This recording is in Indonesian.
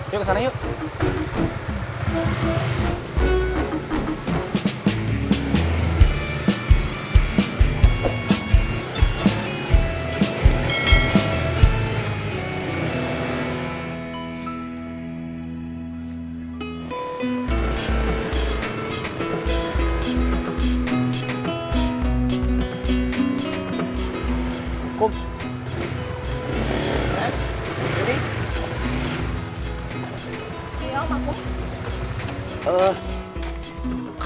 yuk kesana yuk